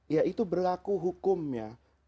ya itu berlaku hukum ya